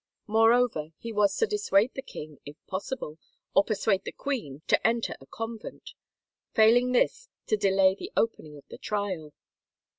Moreover, he was to dissuade the king, if possible, or persuade the queen to enter a convent ; failing this, to delay the opening of the trial.